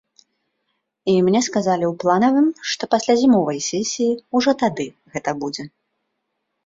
І мне сказалі ў планавым, што пасля зімовай сесіі, ужо тады гэта будзе.